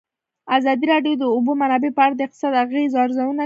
ازادي راډیو د د اوبو منابع په اړه د اقتصادي اغېزو ارزونه کړې.